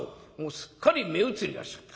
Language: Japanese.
すっかり目移りをしちゃった。